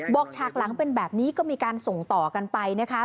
ฉากหลังเป็นแบบนี้ก็มีการส่งต่อกันไปนะคะ